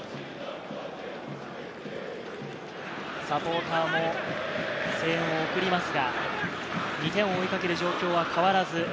サポーターも声援を送りますが、２点を追いかける状況は変わらず。